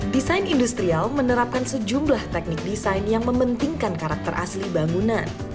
desain industrial menerapkan sejumlah teknik desain yang mementingkan karakter asli bangunan